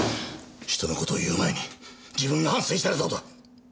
人の事を言う前に自分が反省したらどうだ！